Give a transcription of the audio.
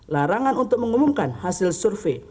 larangan untuk mengumumkan hasil survei